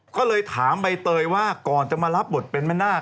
ก็เลยถามใบเตยว่าก่อนจะมารับบทเป็นแม่นาค